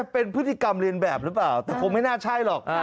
เป็นพฤติกรรมเรียนแบบหรือเปล่าแต่คงไม่น่าใช่หรอก